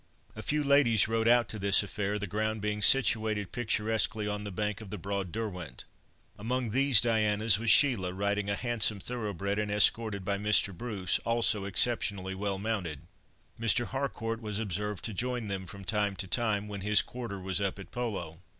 A few ladies rode out to this affair, the ground being situated picturesquely on the bank of the broad Derwent. Among these Dianas was Sheila, riding a handsome thoroughbred, and escorted by Mr. Bruce, also exceptionally well mounted. Mr. Harcourt was observed to join them from time to time, when his "quarter" was up at polo.